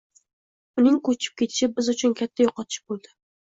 Uning ko‘chib ketishi biz uchun katta yo‘qotish bo‘ldi